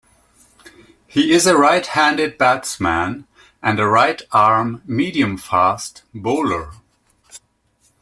He is a right-handed batsman and a right-arm medium-fast bowler.